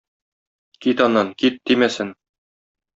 Кит аннан, кит, тимәсен.